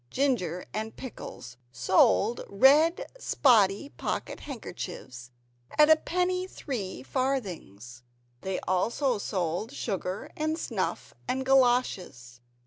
Ginger and Pickles sold red spotty pocket handkerchiefs at a penny three farthings. They also sold sugar, and snuff and galoshes.